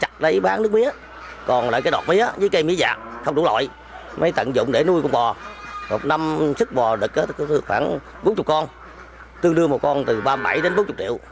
tương đương một con từ ba mươi bảy đến bốn mươi triệu